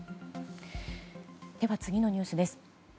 では次のニュースです。